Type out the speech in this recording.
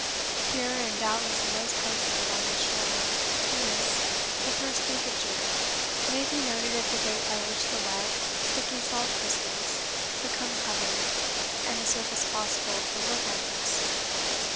Here, and doubtless in most places along the shore, this, the first week of June, may be noted as the date by which the wet, sticky salt crystals become covered and the surface possible for wood runners.